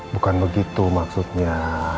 bukan begitu maksudnya